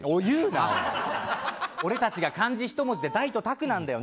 俺たちが漢字１文字で大と拓なんだよ。